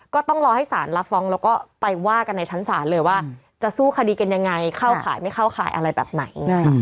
ก็ต้องรอให้สารรับฟ้องแล้วก็ไปว่ากันในชั้นศาลเลยว่าจะสู้คดีกันยังไงเข้าข่ายไม่เข้าข่ายอะไรแบบไหน